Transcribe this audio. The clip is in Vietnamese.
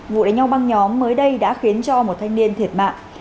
vụ đánh nhau băng nhóm mới đây đã khiến cho một thanh niên thiệt mạng